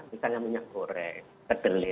misalnya minyak goreng kedelai